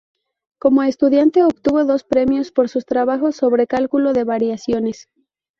Como estudiante obtuvo dos premios por sus trabajos sobre cálculo de variaciones.